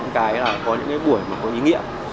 cái là có những cái buổi mà có ý nghĩa